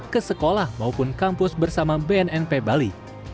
ke sekolah maupun kampus bersama bnnp bali